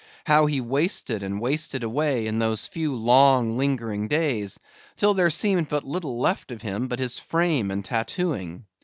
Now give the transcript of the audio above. How he wasted and wasted away in those few long lingering days, till there seemed but little left of him but his frame and tattooing.